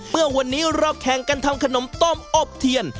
เมื่อวันนี้เราแข่งกันทำขนมต้มอบเทียน